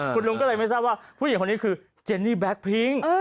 คุณลุงก็เลยไม่ทราบว่าผู้หญิงคนนี้คือเจนนี่แบ็คพิ้ง